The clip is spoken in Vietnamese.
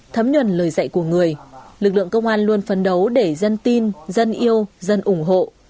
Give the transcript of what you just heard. thấm nhuần lời dạy của người lực lượng công an luôn phấn đấu để dân tin dân yêu dân ủng hộ